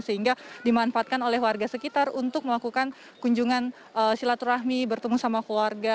sehingga dimanfaatkan oleh warga sekitar untuk melakukan kunjungan silaturahmi bertemu sama keluarga